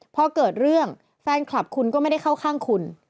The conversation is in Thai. พอเกิดเรื่องแฟนคลับคุณก็ไม่ได้เข้าข้างคุณ